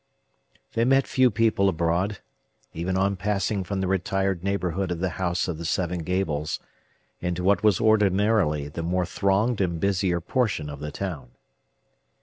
They met few people abroad, even on passing from the retired neighborhood of the House of the Seven Gables into what was ordinarily the more thronged and busier portion of the town.